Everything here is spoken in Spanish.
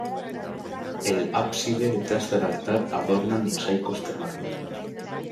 El ábside detrás del altar adornan mosaicos de mármol.